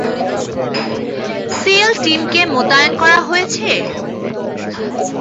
Seal টিমকে মোতায়েন করা হয়েছে?